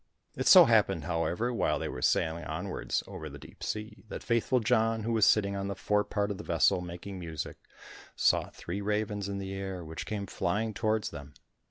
It so happened, however, while they were sailing onwards over the deep sea, that Faithful John, who was sitting on the fore part of the vessel, making music, saw three ravens in the air, which came flying towards them.